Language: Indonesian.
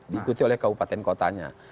diikuti oleh kabupaten kotanya